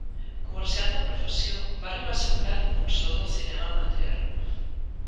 Comerciant de professió, va arribar a ser un gran impulsor del cinema amateur.